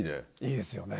いいですよね。